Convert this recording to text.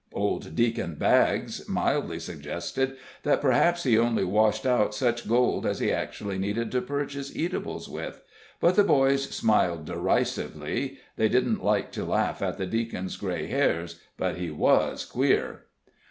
Old Deacon Baggs mildly suggested that perhaps he only washed out such gold as he actually needed to purchase eatables with, but the boys smiled derisively they didn't like to laugh at the deacon's gray hairs, but he was queer.